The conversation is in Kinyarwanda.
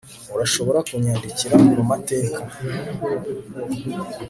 Urashobora kunyandikira mumateka